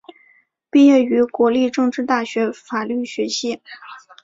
毕业于国立政治大学法律学系。